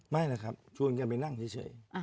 ไม่แหละครับชวนกันไปนั่งเฉย